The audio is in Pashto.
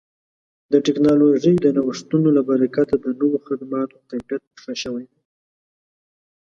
د ټکنالوژۍ د نوښتونو له برکته د نوو خدماتو کیفیت ښه شوی دی.